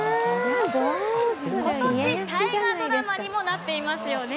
今年、大河ドラマにもなっていますよね。